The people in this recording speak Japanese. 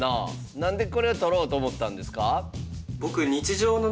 何でこれは撮ろうと思ったんですか？